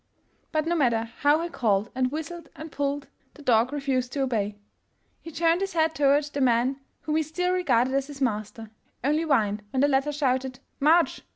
" But no matter how he called and whistled and pulled, the dog refused to obey. He turned his head toward the man whom he still regarded as his master, only whined when the latter shouted '' March